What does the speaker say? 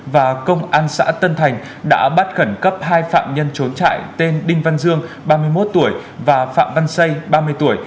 và công an xã tân thành đã bắt khẩn cấp hai phạm nhân trốn trại tên đinh văn dương ba mươi một tuổi và phạm văn xây ba mươi tuổi